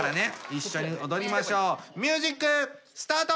一緒におどりましょうミュージックスタート！